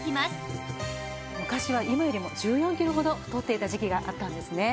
昔は今よりも１４キロほど太っていた時期があったんですね。